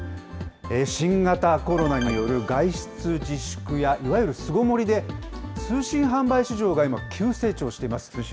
新型コロナによる外出自粛やいわゆる巣ごもりで、通信販売市場が今、急成長しています。